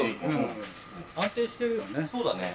安定してるよね。